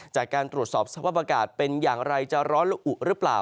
จากการตรวจสอบสภาพอากาศเป็นอย่างไรจะร้อนและอุหรือเปล่า